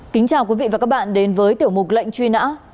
kính chào quý vị và các bạn đến với tiểu mục lệnh truy nã